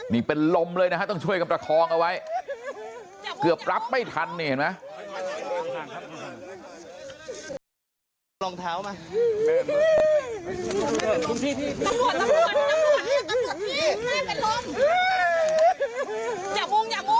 นี่เป็นลมเลยนะฮะต้องช่วยกันประคองเอาไว้เกือบรับไม่ทันเนี่ยเห็นไหม